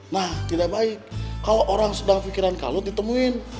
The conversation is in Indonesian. nah tidak baik kalau orang sedang pikiran kalut ditemuin